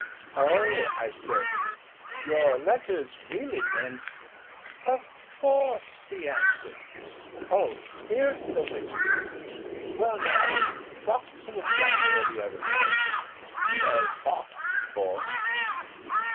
"Oh," I said, "your letters really meant " "Of course," he answered. "Oh, here's the whiskey. Well now, Fox was down here the other night. You know Fox, of course?"